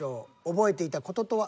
覚えていた事とは？